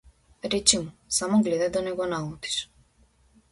Речи му само гледај да не го налутиш.